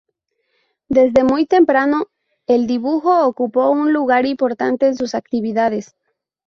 Desde muy temprano, el dibujo ocupó un lugar importante en sus actividades.